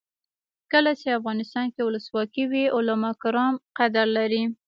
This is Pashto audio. کله چې افغانستان کې ولسواکي وي علما کرام قدر لري.